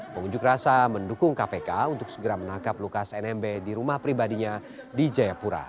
pengunjuk rasa mendukung kpk untuk segera menangkap lukas nmb di rumah pribadinya di jayapura